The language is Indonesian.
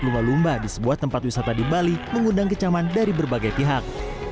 lumba lumba di sebuah tempat wisata di bali mengundang kecaman dari berbagai pihak